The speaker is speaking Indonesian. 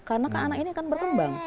karena kan anak ini akan berkembang